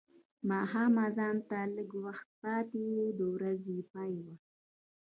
ماښام اذان ته لږ وخت پاتې و د ورځې پای و.